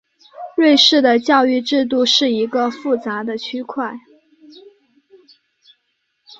瑞士的教育制度是一个复杂的区块。